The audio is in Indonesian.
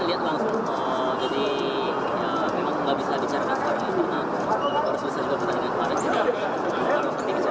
dan apalagi masyarakat dan para fans pakula indonesia